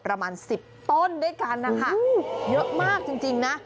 ประมาณ๑๐ต้นด้วยกันนะคะเยอะมากจริงนะ